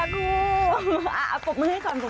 ปวบมือให้ก่อนแล้วกันครับ